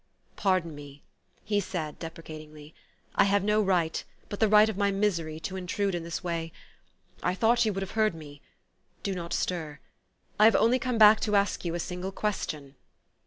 "Pardon me," he said deprecatingly. "I have no right, but the right of my misery, to intrude in this way. I thought you would have heard me. Do not stir. I have only come back to ask you a single question."